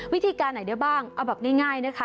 วิธีการไหนด้วยบ้างเอาแบบง่าย